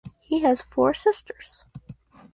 He has four sisters.